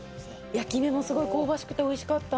焼き目もすごい香ばしくて美味しかった。